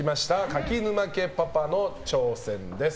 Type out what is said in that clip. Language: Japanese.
柿沼家パパの挑戦です。